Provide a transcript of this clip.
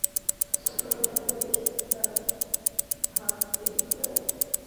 জনগণের ভোটে হিলারির ভাগ বেশি হলেও নির্বাচনের সামগ্রিক ফলাফল তাঁর অনুকূলে নেই।